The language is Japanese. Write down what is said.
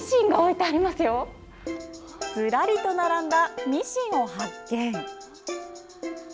ずらりと並んだミシンを発見。